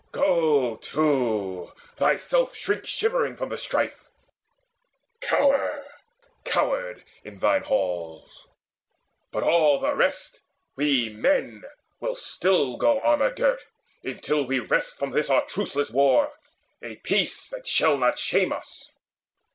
Go to, thyself shrink shivering from the strife! Cower, coward, in thine halls! But all the rest, We men, will still go armour girt, until We wrest from this our truceless war a peace That shall not shame us!